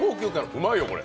うまいよ、これ。